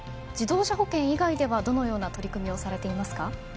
自動車保険以外ではどのような取り組みをされていますか？